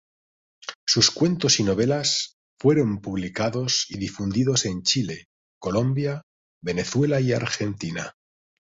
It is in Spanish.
Sus cuentos y novelas fueron publicados y difundidos en Chile, Colombia, Venezuela y Argentina.